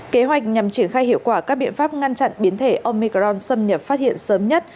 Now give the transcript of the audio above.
kế hoạch nhằm triển khai hiệu quả các biện pháp ngăn chặn biến thể omicron xâm nhập phát hiện sớm nhất